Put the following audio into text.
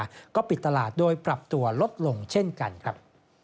แล้วก็ปิดตลาดโดยปรับตัวลดลงเช่นกันครับ